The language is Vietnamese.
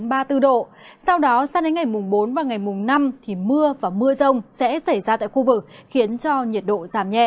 sau đó sang đến ngày bốn và ngày năm mưa và mưa rông sẽ xảy ra tại khu vực khiến cho nhiệt độ giảm nhẹ